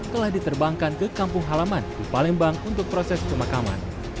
telah diterbangkan ke kampung halaman di palembang untuk proses pemakaman